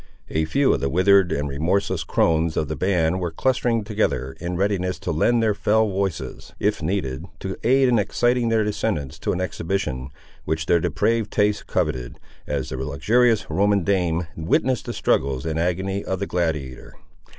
A few of the withered and remorseless crones of the band were clustering together, in readiness to lend their fell voices, if needed, to aid in exciting their descendants to an exhibition, which their depraved tastes coveted, as the luxurious Roman dame witnessed the struggles and the agony of the gladiator.